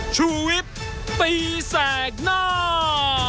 ชุวิตตีแสดหน้า